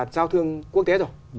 giao thương quốc tế rồi